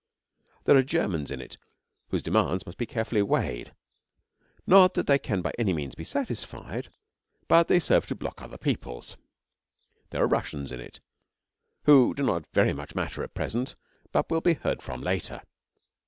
There are Germans in it, whose demands must be carefully weighed not that they can by any means be satisfied, but they serve to block other people's. There are Russians in it, who do not very much matter at present but will be heard from later.